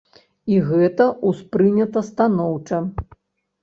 І гэта ўспрынята станоўча.